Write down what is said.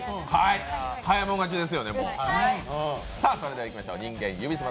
早いもの勝ちですよね。